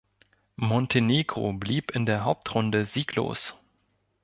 Montenegro blieb in der Hauptrunde sieglos.